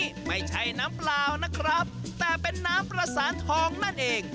นี่ไม่ใช่น้ำเปล่านะครับแต่เป็นน้ำประสานทองนั่นเอง